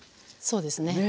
そうですね。